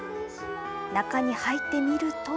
中に入ってみると。